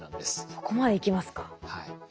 そこまでいきますか？